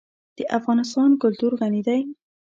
د افغانستان کلتور غني دی.